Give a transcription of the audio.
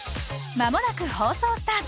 まもなく放送スタート！